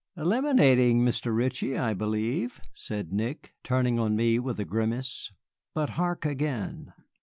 "Eliminating Mr. Ritchie, I believe," said Nick, turning on me with a grimace. "But hark again!"